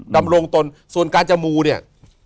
ดำรงตนส่วนการจะมูเนี่ย